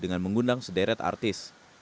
dengan mengundang sederet artis